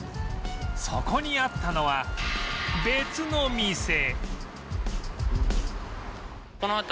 そこにあったのは別の店